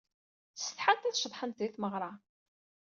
Setḥant ad ceḍḥent di tmeɣra.